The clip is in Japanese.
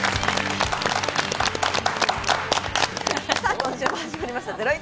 今週も始まりました『ゼロイチ』。